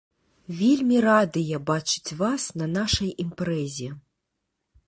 Вельмі радыя бачыць вас на нашай імпрэзе.